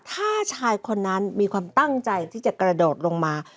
ถ้าชายคนนั้นมีความตั้งใจที่จะกระโดดลงมา